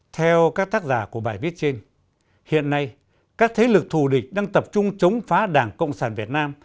theo các tác giả của bài viết trên hiện nay các thế lực thù địch đang tập trung chống phá đảng cộng sản việt nam